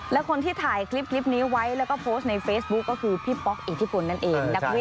และคนที่ถ่ายคลิปนี้ไว้แล้วก็โพสต์ในเฟซบุ๊คก็คือพี่ป๊อกอิทธิพลนั่นเอง